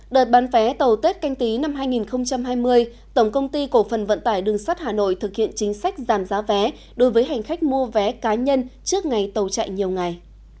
đợt bán vé tàu tết canh tí năm hai nghìn hai mươi tổng công ty cổ phần vận tải đường sắt hà nội thực hiện chính sách giảm giá vé đối với hành khách mua vé cá nhân trước ngày tàu chạy nhiều ngày